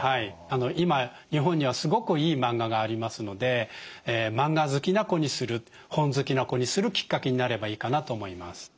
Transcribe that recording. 今日本にはすごくいいマンガがありますのでマンガ好きな子にする本好きな子にするきっかけになればいいかなと思います。